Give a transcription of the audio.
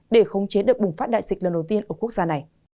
để khống chế đợt bùng phát đại dịch lần đầu tiên ở quốc gia này